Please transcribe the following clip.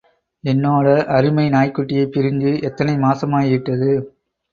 என்னோட அருமை நாய்க்குட்டியைப் பிரிஞ்சு எத்தனை மாசமாயிட்டது?